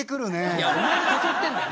いやお前が誘ってんだよ。